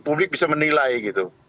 publik bisa menilai gitu